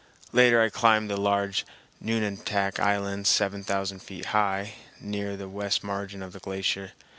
Later I climbed the large Nunatak Island, seven thousand feet high, near the west margin of the glacier.